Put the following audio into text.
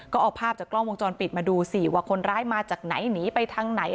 ก็เอาภาพจากกล้องวงจรปิดมาดูสิว่าคนร้ายมาจากไหนหนีไปทางไหน